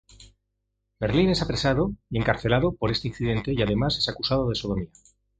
Verlaine es apresado y encarcelado por este incidente y además es acusado de sodomía.